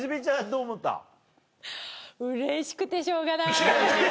うれしくてしょうがない。